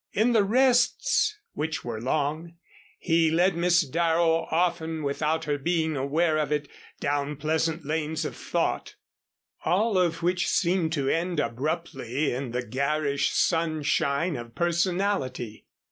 In the rests, which were long, he led Miss Darrow, often without her being aware of it, down pleasant lanes of thought, all of which seemed to end abruptly in the garish sunshine of personality.